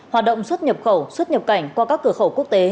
hoạt động xuất nhập khẩu xuất nhập cảnh qua các cửa khẩu quốc tế